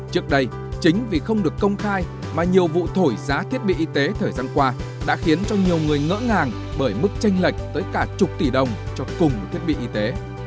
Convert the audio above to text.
trước đây chính vì không được công khai mà nhiều vụ thổi giá thiết bị y tế thời gian qua đã khiến cho nhiều người ngỡ ngàng bởi mức tranh lệch tới cả chục tỷ đồng cho cùng một thiết bị y tế